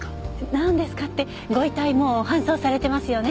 なんですか？ってご遺体もう搬送されてますよね？